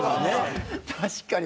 確かに。